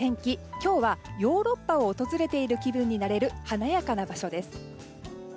今日はヨーロッパを訪れている気分になれる華やかな場所です。